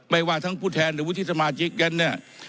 ว่าทั้งผู้แทนหรือวุฒิสมาชิกนั้นเนี่ย